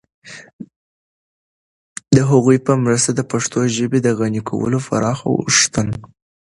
د هغوی په مرسته د پښتو ژبې د غني کولو پراخ اوښتون